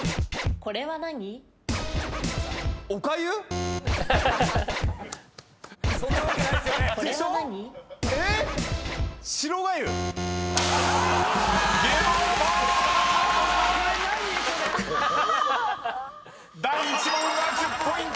これ何⁉［第１問は１０ポイント。